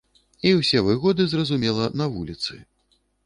І ўсе выгоды, зразумела, на вуліцы.